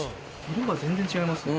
色が全然違いますね。